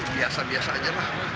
biasa biasa aja lah